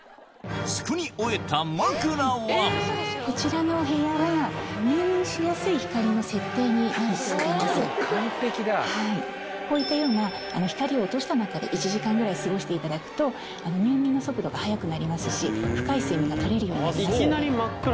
作り終えた枕はこういったような光を落とした中で１時間ぐらい過ごしていただくと入眠の速度が速くなりますし深い睡眠が取れるようになります。